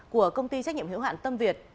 của công ty trách nhiệm hiệu hạn tâm việt